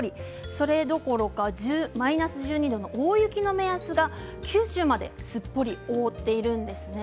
それどころかマイナス１２度の大雪の目安が九州まですっぽり覆っているんですね。